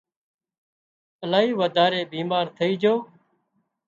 الاهي وڌاري بيمار ٿئي جھو